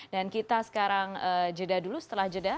dan kita sekarang jeda dulu setelah jeda